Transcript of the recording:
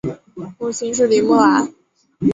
母亲是林慕兰。